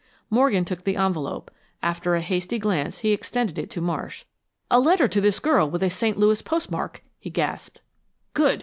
Morgan took the envelope. After a hasty glance he extended it to Marsh. "A letter to this girl with a St. Louis postmark!" he gasped. "Good!"